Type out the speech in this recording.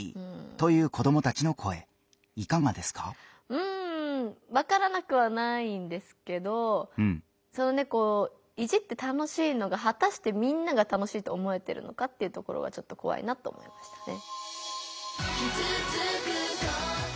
うんわからなくはないんですけどいじって楽しいのがはたしてみんなが楽しいと思えてるのかっていうところはちょっとこわいなと思いましたね。